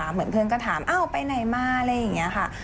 เหมือนเพื่อนก็ถามอ้าวไปไหนมาอะไรอย่างนี้ค่ะ